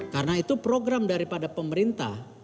karena itu program daripada pemerintah